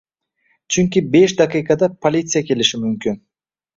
- Chunki besh daqiqada politsiya kelishi mumkin.